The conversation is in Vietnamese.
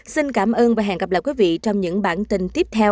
xin cảm ơn và hẹn gặp lại quý vị trong những bản tin tiếp theo